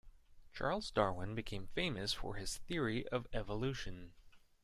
Charles Darwin became famous for his theory of evolution.